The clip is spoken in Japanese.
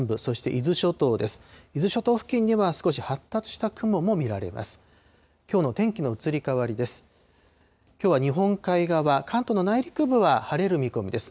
伊豆諸島付近には少し発達した雲も見られます。